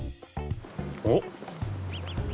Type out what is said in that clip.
おっ。